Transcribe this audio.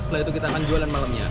setelah itu kita akan jualan malamnya